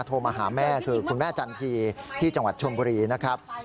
โทรมาหาแม่คือคุณแม่จันทีที่จังหวัดชนบุรีนะครับ